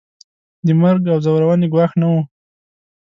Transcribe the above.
د مرګ او ځورونې ګواښ نه وو.